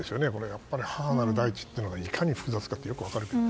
やっぱり母なる大地というのがいかに複雑かがよく分かるけど。